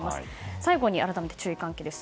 最後に、改めて注意喚起です。